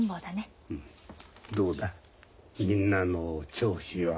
どうだみんなの調子は。